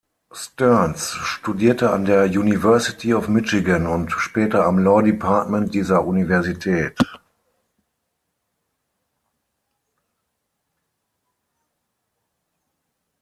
Stearns studierte an der University of Michigan und später am "law department" dieser Universität.